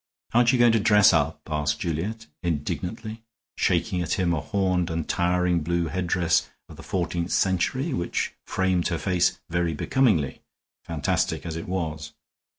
"Aren't you going to dress up?" asked Juliet, indignantly shaking at him a horned and towering blue headdress of the fourteenth century which framed her face very becomingly, fantastic as it was.